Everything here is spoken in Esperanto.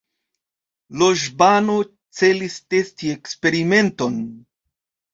Loĵbano celis testi eksperimenton